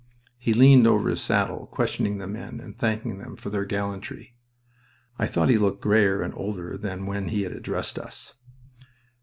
He leaned over his saddle, questioning the men and thanking them for their gallantry. I thought he looked grayer and older than when he had addressed us.